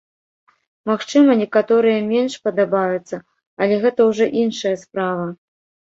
Магчыма, некаторыя менш падабаюцца, але гэта ўжо іншая справа.